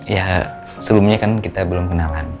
ya sebelumnya kan kita belum kenalan